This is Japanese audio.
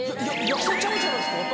痩せちゃうんじゃないですか？